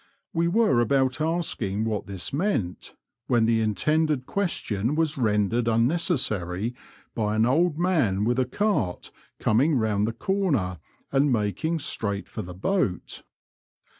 We were about asking what this meant, when the intended question was rendered unnecessary by an old man with a cart coming round the corner and making straight for the boat.